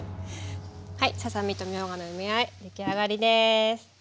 はいささ身とみょうがの梅あえ出来上がりです！